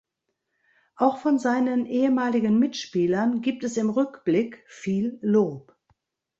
Auch von seinen ehemaligen Mitspielern gibt es im Rückblick viel Lob.